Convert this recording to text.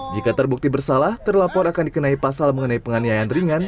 jika terbukti bersalah terlapor akan dikenai pasal mengenai penganiayaan ringan